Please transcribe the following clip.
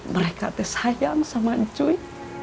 mereka tersayang sama ncuy